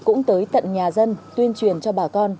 cũng tới tận nhà dân tuyên truyền cho bà con